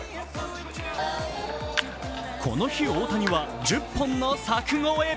この日、大谷は１０本の柵越え。